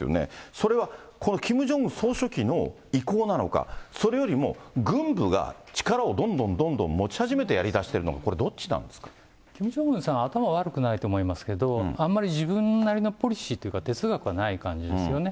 それはこのキム・ジョンウン総書記の意向なのか、それよりも軍部が力をどんどんどんどん持ち始めてやりだしてるのキム・ジョンウンさんは頭は悪くないと思いますけど、あんまり自分なりのポリシーというか哲学はない感じですよね。